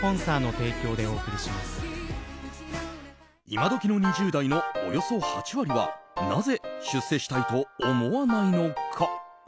今時の２０代のおよそ８割はなぜ、出世したいと思わないのか。